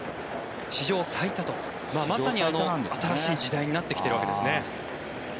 史上最多とまさに新しい時代になってきているわけですね。